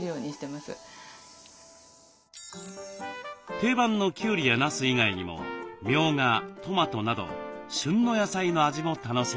定番のきゅうりやなす以外にもみょうがトマトなど旬の野菜の味も楽しんでいます。